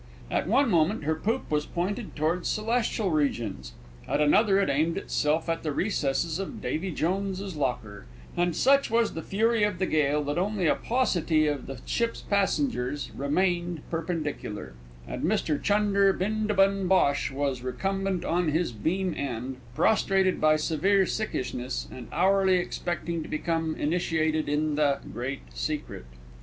At one moment her poop was pointed towards celestial regions; at another it aimed itself at the recesses of Davey Jones's locker; and such was the fury of the gale that only a paucity of the ship's passengers remained perpendicular, and Mr Chunder Bindabun Bhosh was recumbent on his beam end, prostrated by severe sickishness, and hourly expecting to become initiated in the Great Secret.